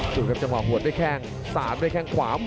ดูครับจะมาหวดด้วยแข้งสารด้วยแข้งขวา